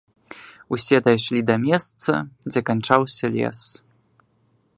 Усе дайшлі да месца, дзе канчаўся лес.